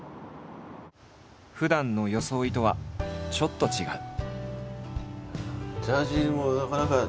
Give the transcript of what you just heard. ふだんの装いとはちょっと違う。